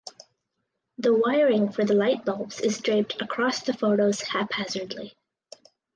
The wiring for the lightbulbs is draped across the photos haphazardly.